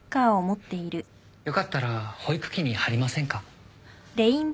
よかったら保育器に張りませんか？